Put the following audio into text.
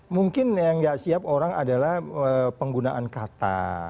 mungkin yang nggak siap orang adalah penggunaan kata